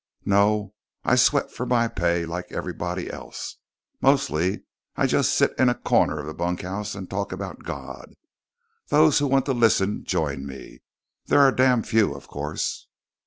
"No. I sweat for my pay like everybody else. Mostly I just sit in a corner of the bunkhouse and talk about God. Those who want to listen join me. There are damn few, of course."